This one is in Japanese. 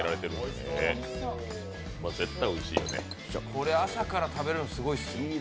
これ朝から食べるのすごいですよ。